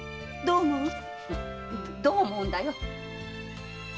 どう思うんだよ？